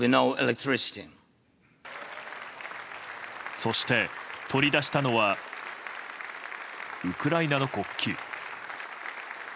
そして、取り出したのはウクライナの国旗。